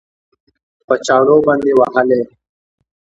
په چاړو باندې وهلى؟